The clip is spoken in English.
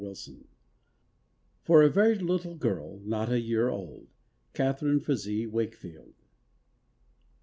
Sunshine For a Very Little Girl, Not a Year Old. Catharine Frazee Wakefield.